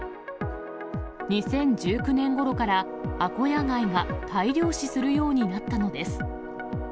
２０１９年ごろから、アコヤガイが大量死するようになったのです。